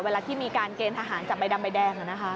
เวลาที่มีการเกณฑ์ทหารจับใบดำใบแดง